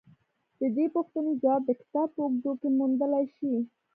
د دې پوښتنې ځواب د کتاب په اوږدو کې موندلای شئ